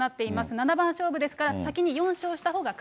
七番勝負ですから先に４勝したほ